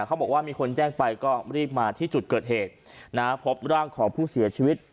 เขาบอกว่ามีคนแจ้งไปก็รีบมาที่จุดเกิดเหตุนะพบร่างของผู้เสียชีวิต